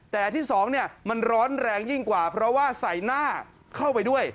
แต่ที่สองเนี่ยมันร้อนแรงยิ่งกว่าเพราะว่าใส่หน้าเข้าไปด้วย